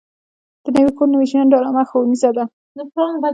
د نوي کور نوي ژوند ډرامه ښوونیزه ده.